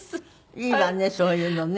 いいわねそういうのね。